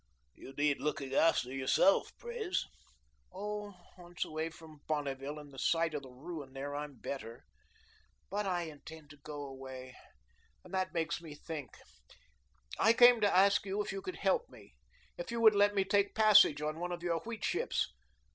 "You need looking after yourself, Pres." "Oh, once away from Bonneville and the sight of the ruin there, I'm better. But I intend to go away. And that makes me think, I came to ask you if you could help me. If you would let me take passage on one of your wheat ships.